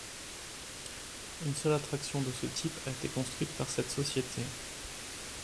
Une seule attraction de ce type a été construite par cette société.